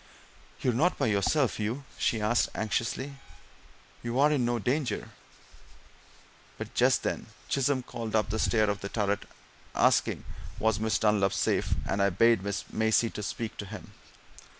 "You're not by yourself, Hugh?" she asked anxiously. "You're in no danger?" But just then Chisholm called up the stair of the turret, asking was Miss Dunlop safe, and I bade Maisie speak to him.